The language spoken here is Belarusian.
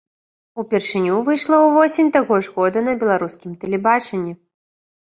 Упершыню выйшла ўвосень таго ж года на беларускім тэлебачанні.